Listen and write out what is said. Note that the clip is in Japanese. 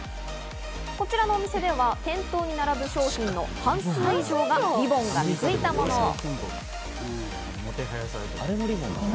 こちらのお店では店頭に並ぶ商品の半数以上がリボンのついたもの。